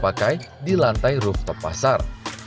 dipakai di lantai rooftop pasar